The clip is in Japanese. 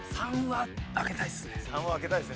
３は開けたいですね。